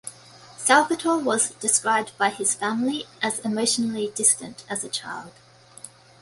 Salvatore was described by his family as emotionally distant as a child.